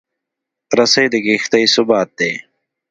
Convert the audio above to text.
رسۍ د کښتۍ ثبات دی.